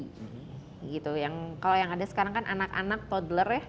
kalau yang ada sekarang kan anak anak toddler